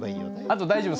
あと大丈夫？